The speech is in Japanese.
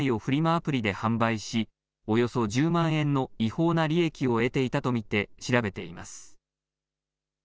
アプリで販売しおよそ１０万円の違法な利益を得ていたと見て調べています。